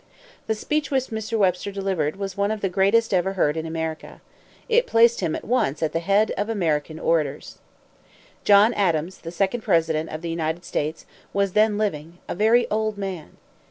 The speech which Mr. Webster delivered was one of the greatest ever heard in America. It placed him at once at the head of American orators. John Adams, the second president of the United States, was then living, a very old man.